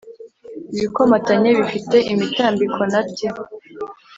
ibikomatanye bifite imitambiko n' T